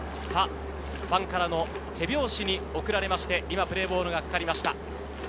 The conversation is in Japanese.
ファンからの手拍子に送られまして、今、プレーボールがかかりました。